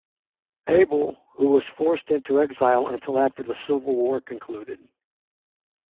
Abell, who was forced into exile until after the Civil War concluded.